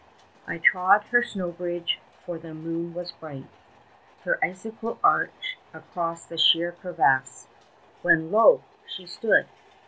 I trod her snow bridge, for the moon was bright, Her icicle arch across the sheer crevasse, 10 When lo, she stood!...